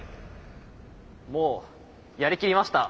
もうやり切りました。